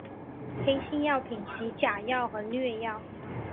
黑心药品即假药和劣药。